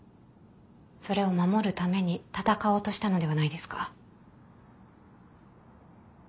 それを守るために闘おうとしたのではないですか。